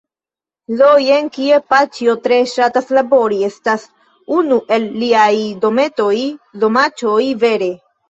Do, jen kie paĉjo tre ŝatas labori estas unu el liaj dometoj, domaĉoj vere